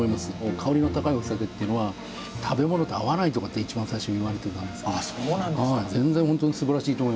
香りの高いお酒っていうのは食べ物と合わないとかって一番最初は言われてたんですけど全然本当にすばらしいと思いますね。